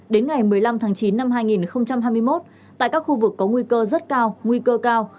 đến ngày một mươi năm tháng chín năm hai nghìn hai mươi một tại các khu vực có nguy cơ rất cao nguy cơ cao